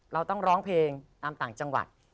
เราต้องร้องเพลงตามต่างจังหวัด